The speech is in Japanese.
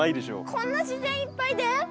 こんな自然いっぱいで？